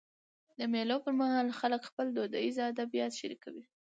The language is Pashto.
د مېلو پر مهال خلک خپل دودیز ادبیات شريکوي.